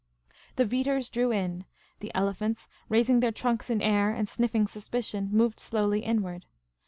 The beaters drew in ; the elephants, raising their trunks in air and sniffing suspicion, moved slowly inward.